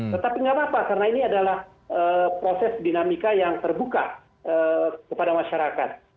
tetapi nggak apa apa karena ini adalah proses dinamika yang terbuka kepada masyarakat